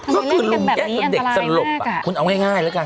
ทำไมเล่นกันแบบนี้อันตรายมากอ่ะคุณเอาง่ายง่ายแล้วกัน